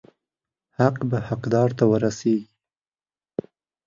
حق به حقدار ته ورسیږي.